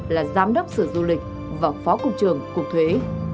là giám đốc sửa du lịch và phó cục trường cục thuế